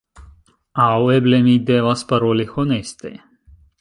Aŭ eble mi devas paroli honeste: